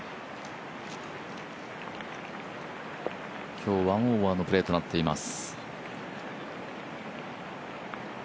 今日１オーバーのプレーとなっています。